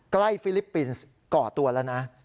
ฟิลิปปินส์ก่อตัวแล้วนะ